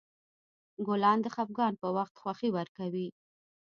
ګلان د خفګان په وخت خوښي ورکوي.